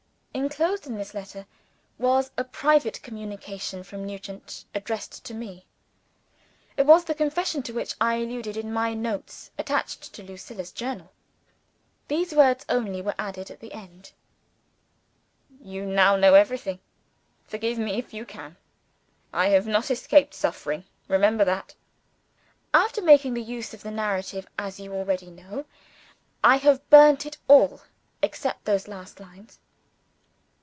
Enclosed in this letter was a private communication from Nugent, addressed to me. It was the confession to which I have alluded in my notes attached to Lucilla's Journal. These words only were added at the end: "You now know everything. Forgive me if you can. I have not escaped without suffering; remember that." After making use of the narrative, as you already know, I have burnt it all, except those last lines.